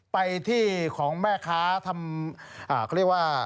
ไปที่ของแม่ค้าทำเขาเรียกว่า